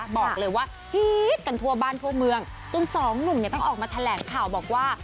บอกเลยว่าฮีดกันทั่วบ้านทั่วเมืองจนสองหนุ่มเนี่ยต้องออกมาแถลงข่าวบอกว่า